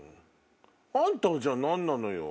あんたはじゃあ何なのよ。